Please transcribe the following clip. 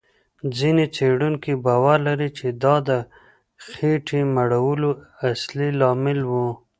ځینې څېړونکي باور لري، چې دا د خېټې مړولو اصلي لامل و.